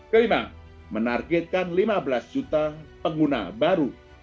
kelima menargetkan lima belas juta pengguna baru